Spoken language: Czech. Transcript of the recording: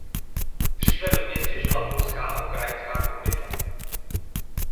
Dříve ve městě žila polská a ukrajinská komunita.